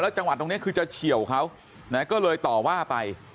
จังหวัดตรงนี้คือจะเฉียวเขาก็เลยต่อว่าไป